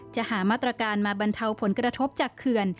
หามาตรการมาบรรเทาผลกระทบจากเขื่อน